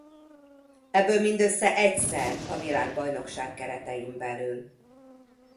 Ebből mindössze egyszer a világbajnokság keretein belül.